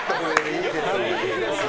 いいですね。